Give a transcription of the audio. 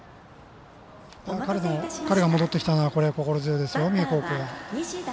彼が戻ってきたのは心強いです、三重高校。